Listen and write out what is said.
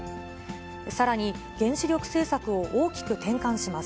さらに原子力政策を大きく転換します。